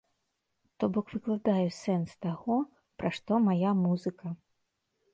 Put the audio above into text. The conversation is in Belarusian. То бок выкладаю сэнс таго, пра што мая музыка.